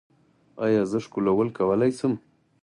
ایا زه ښکلول کولی شم؟